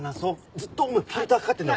ずっとお前フィルターかかってるんだ。